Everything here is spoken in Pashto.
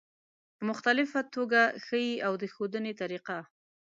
په مختلفه توګه ښي او د ښودنې طریقه